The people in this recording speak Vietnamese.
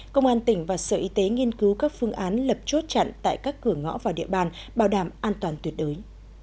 công an tỉnh và sở y tế nghiên cứu các phương án lập chốt chặn tại các cửa ngõ vào địa bàn bảo đảm an toàn tuyệt đối